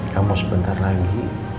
kamu sebentar lagi